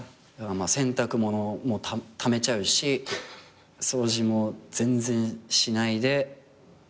洗濯物もためちゃうし掃除も全然しないで。